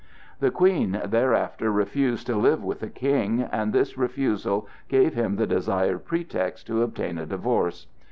The Queen thereafter refused to live with the King, and this refusal gave him the desired pretext to obtain a divorce.